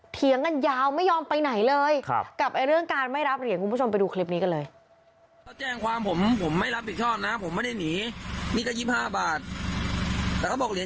เถียงกันยาวไม่ยอมไปไหนเลยกับเรื่องการไม่รับเหรียญคุณผู้ชมไปดูคลิปนี้กันเลย